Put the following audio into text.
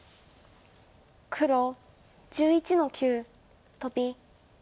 黒１１の九トビ。